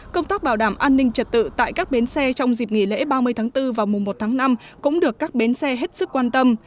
công tác bảo đảm an ninh trật tự tại các bến xe trong dịp nghỉ lễ ba mươi tháng bốn và mùa một tháng năm cũng được các bến xe hết sức quan tâm